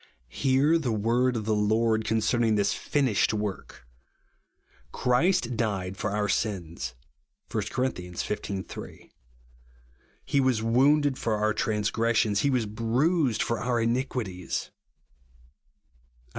Hear the word of the Lord concerning this " finished" work. " Christ died for our sins," (1 Cor. xv. 3). " He was wounded for our transgressions, he was bruised for our iniquities," (Is.